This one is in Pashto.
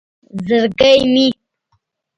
زرگی مې